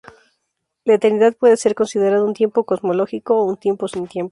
La "eternidad" puede ser considerada un tiempo cosmológico o un tiempo sin tiempo.